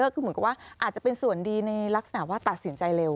คือเหมือนกับว่าอาจจะเป็นส่วนดีในลักษณะว่าตัดสินใจเร็ว